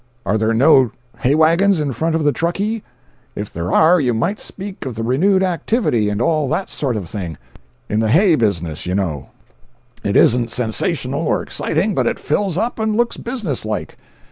Are there no hay wagons in from the Truckee? If there are, you might speak of the renewed activity and all that sort of thing, in the hay business, you know. 296.jpg (34K) "It isn't sensational or exciting, but it fills up and looks business like."